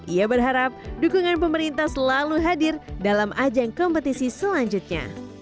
ia berharap dukungan pemerintah selalu hadir dalam ajang kompetisi selanjutnya